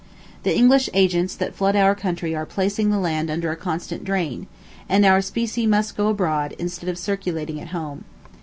The English agents that flood our country are placing the land under a constant drain; and our specie must go abroad, instead of circulating at home.